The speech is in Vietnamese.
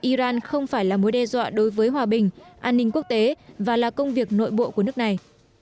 iran không phải là mối đe dọa đối với hòa bình an ninh quốc tế và là công việc nội bộ của nước này